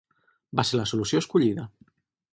Va ser la solució escollida.